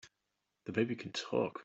The baby can TALK!